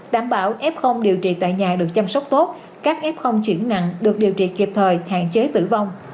đảm bảo f điều trị tại nhà được chăm sóc tốt các f chuyển nặng được điều trị kịp thời hạn chế tử vong